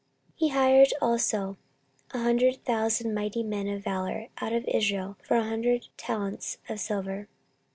14:025:006 He hired also an hundred thousand mighty men of valour out of Israel for an hundred talents of silver.